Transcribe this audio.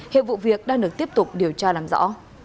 hiệp vụ việc đang được tiếp tục điều tra làm rõ